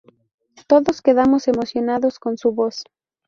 Todos quedaron emocionados con su voz.